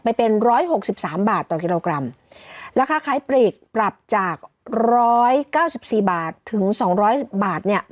ไปเป็นร้อยหกสิบสามบาทต่อกิโลกรัมราคาขายปลีกปรับจากร้อยเก้าสิบสี่บาทถึงสองร้อยสิบบาทเนี่ย